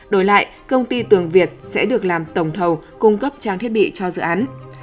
đổi lại công ty tường việt sẽ được làm tổng thầu cung cấp trang thiết bị cho dự án